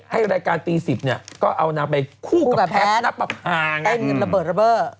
ให้รายการปี๑๐เนี่ยก็เอานางไปคู่กับแพทนัตบฐานแพทย์ได้เงินระเบิด